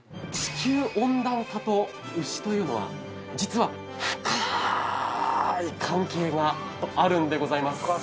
地球温暖化と牛というのは実は深い関係があるんでございます。